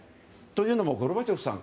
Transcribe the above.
というのもゴルバチョフさん